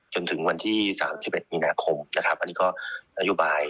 จนถึงวันที่๓๑มีนาคมนะครับอันนี้ก็นโยบาย